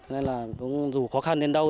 nên là dù khó khăn đến đâu